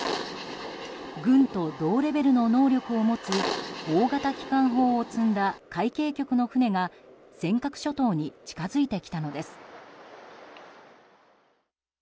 軍と同レベルの能力を持つ大型機関砲を積んだ海警局の船が尖閣諸島に近づいてきたのです。